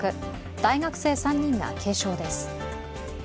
大学生３人が軽傷です。